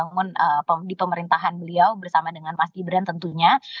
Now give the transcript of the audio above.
membangun di pemerintahan beliau bersama dengan mas gibran tentunya